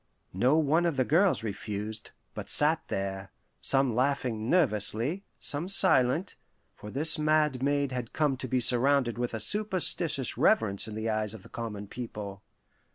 No one of the girls refused, but sat there, some laughing nervously, some silent; for this mad maid had come to be surrounded with a superstitious reverence in the eyes of the common people.